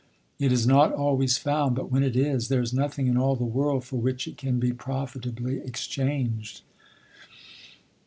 It is not always found; but when it is, there is nothing in all the world for which it can be profitably exchanged.